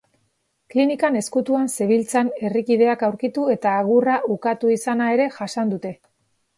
Klinikan ezkutuan zebiltzan herrikideak aurkitu eta agurra ukatu izana ere jasan dute.